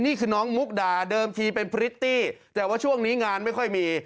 นี่คือน้องมุกดาเดิมทีเป็นพริตตี้แต่ว่าช่วงนี้งานไม่ค่อยมี